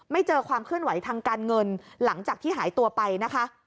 เจอความเคลื่อนไหวทางการเงินหลังจากที่หายตัวไปนะคะ